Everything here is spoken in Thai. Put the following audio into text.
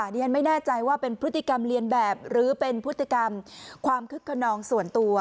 ดิฉันไม่แน่ใจว่าเป็นพฤติกรรมเรียนแบบหรือเป็นพฤติกรรมความคึกขนองส่วนตัว